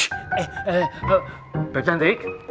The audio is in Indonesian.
hei eh babe cantik